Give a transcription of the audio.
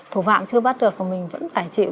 thủ phạm chưa bắt được mà mình vẫn phải chịu